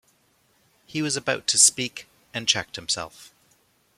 He was about to speak and checked himself.